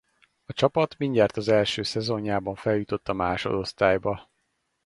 A csapat mindjárt az első szezonjában feljutott a másodosztályba.